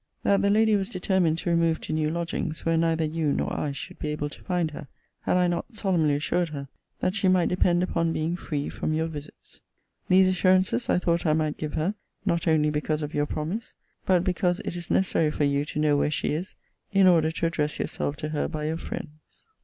That the lady was determined to remove to new lodgings, where neither you nor I should be able to find her, had I not solemnly assured her, that she might depend upon being free from your visits. These assurances I thought I might give her, not only because of your promise, but because it is necessary for you to know where she is, in order to address yourself to her by your friends.